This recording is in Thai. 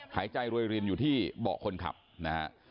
หายใจรวยรินอยู่ที่เบาะคนขับนะฮะ